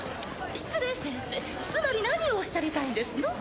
失礼先生つまり何をおっしゃりたいんですの？